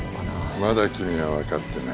まだ君はわかってない。